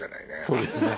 そうですね。